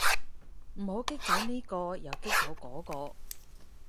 唔好激走呢個又激走嗰個